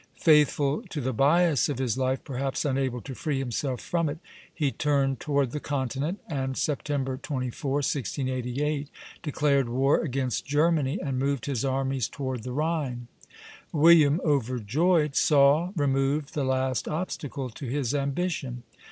Faithful to the bias of his life, perhaps unable to free himself from it, he turned toward the continent, and September 24, 1688, declared war against Germany and moved his armies toward the Rhine. William, overjoyed, saw removed the last obstacle to his ambition.